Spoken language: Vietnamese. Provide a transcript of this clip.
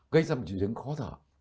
gây ra một chỉ chứng khó thở